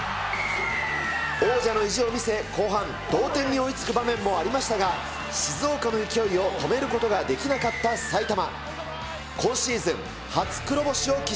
王者の意地を見せ、後半、同点に追いつく場面もありましたが、静岡の勢いを止めることができなかった埼玉。